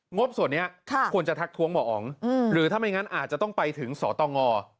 บส่วนนี้ควรจะทักท้วงหมออ๋องหรือถ้าไม่งั้นอาจจะต้องไปถึงสตง